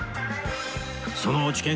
その落研